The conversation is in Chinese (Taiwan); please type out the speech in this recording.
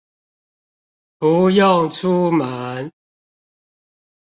不用出門